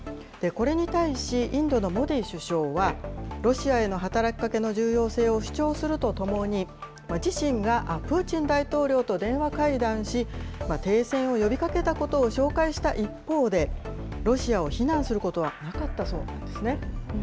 これに対しインドのモディ首相は、ロシアへの働きかけの重要性を主張するとともに、自身がプーチン大統領と電話会談し、停戦を呼びかけたことを紹介した一方で、ロシアを非難することはなかったそうなんですね。